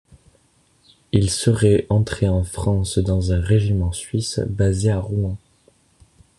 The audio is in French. Il serait entré en France dans un régiment suisse basé à Rouen.